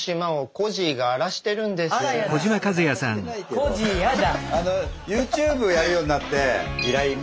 コジーやだ！